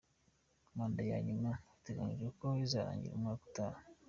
Manda ya nyuma biteganyijwe ko izarangira umwaka utaha.